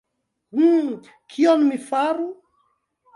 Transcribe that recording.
Uh... kion mi faru?